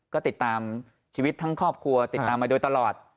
ก็ติดตามชีวิตทั้งครอบครัวติดตามมาโดยตลอด